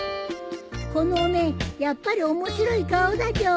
このお面やっぱり面白い顔だじょ。